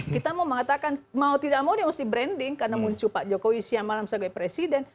kita mau mengatakan mau tidak mau dia mesti branding karena muncul pak jokowi siang malam sebagai presiden